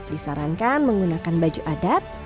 disarankan menggunakan baju adat